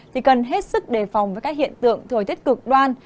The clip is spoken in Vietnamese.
thì cần hết sức đề phòng với các hiện tượng thời tiết cực đoan